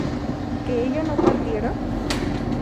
¿que ella no partiera?